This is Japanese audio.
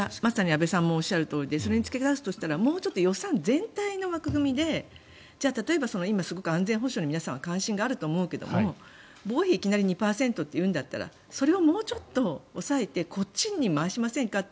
安部さんのおっしゃるとおりでそれにつけ足すとしたらもうちょっと予算全体の枠組みでじゃあ、例えばすごく安全保障に皆さんは関心があると思うけど防衛費をいきなり２％というんだったらそれをもうちょっと抑えてこっちに回しませんかって。